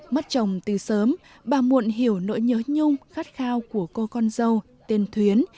mất chồng từ sớm bà muộn hiểu nỗi nhớ nhung khát khao của cô con dâu tên thuyến